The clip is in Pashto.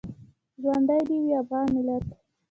ژوندی دې وي افغان ملت؟